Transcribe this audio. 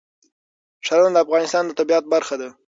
ښارونه د افغانستان د طبیعت برخه ده.